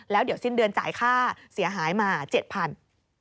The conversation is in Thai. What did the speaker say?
แล้วเดี๋ยวสิ้นเดือนจ่ายค่าเสียหายมา๗๐๐บาท